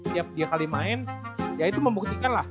tiap dia kali main ya itu membuktikan lah